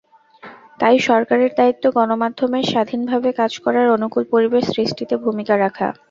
তাই সরকারের দায়িত্ব গণমাধ্যমের স্বাধীনভাবে কাজ করার অনুকূল পরিবেশ সৃষ্টিতে ভূমিকা রাখা।